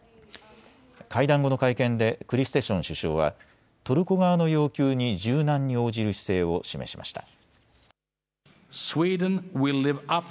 会談後の会見でクリステション首相はトルコ側の要求に柔軟に応じる姿勢を示しました。